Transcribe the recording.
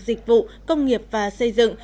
dịch vụ công nghiệp và xây dựng